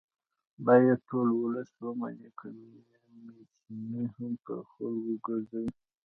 باید ټول ولس ومني که میچنې هم په خلکو ګرځوي